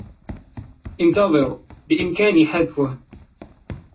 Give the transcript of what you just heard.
انتظر. بإمكاني حذفه.